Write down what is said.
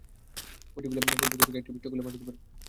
বইটি খুললে বইয়ের ভেতর থেকে একটি পৃষ্ঠা খুলে মাটিতে পড়ে যায়।